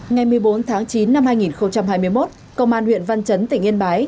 ngày một mươi bốn tháng chín năm hai nghìn hai mươi một công an huyện văn chấn tỉnh yên bái